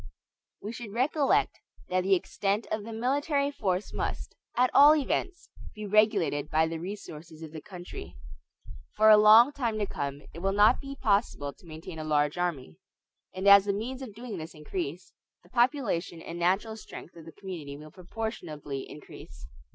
We should recollect that the extent of the military force must, at all events, be regulated by the resources of the country. For a long time to come, it will not be possible to maintain a large army; and as the means of doing this increase, the population and natural strength of the community will proportionably increase.